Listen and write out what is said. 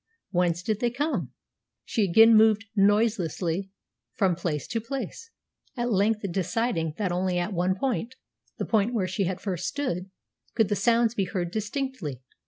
Whence did they come? She again moved noiselessly from place to place, at length deciding that only at one point the point where she had first stood could the sounds be heard distinctly.